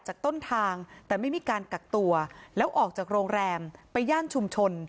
จากต้นทางแต่ไม่มีการกักตัวแล้วออกจากโรงแรมไปย่านชุมชน